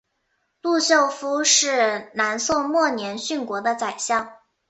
陆秀夫是南宋末年殉国的宰相。